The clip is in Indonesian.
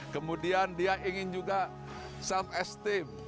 kemudian dia ingin juga self esteem